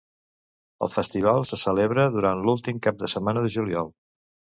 El festival se celebra durant l'últim cap de setmana de juliol.